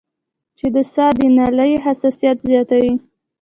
چې د ساه د نالۍ حساسيت زياتوي